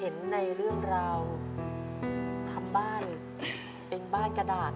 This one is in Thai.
เห็นในเรื่องราวทำบ้านเป็นบ้านกระดาษ